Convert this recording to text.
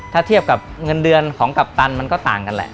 ถ้าเทียบกับเงินเดือนของกัปตันมันก็ต่างกันแหละ